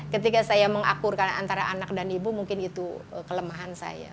ketika saya mengakurkan antara anak dan ibu mungkin itu kelemahan saya